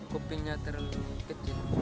kupingnya terlalu kecil